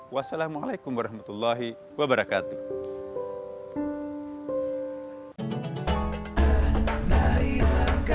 wassalamualaikum warahmatullahi wabarakatuh